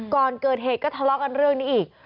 ก่อนเกิดเหตุก็ทะเลาะกันเรื่องนี้อีก